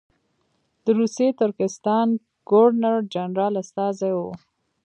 د روسي ترکستان ګورنر جنرال استازی وو.